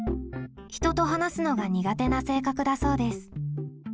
人と話すのが苦手な性格だそうです。